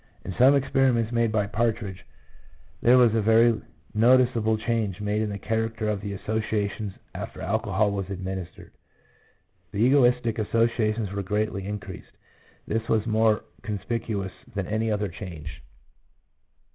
In some experiments made by Partridge, there was a very noticeable change made in the character of the associations after alcohol was administered. The egotistic associations were greatly increased; this was more conspicuous than any other change.